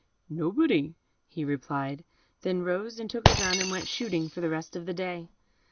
"Nobody," he replied; then rose, and took a gun, and went shooting for the rest of the day.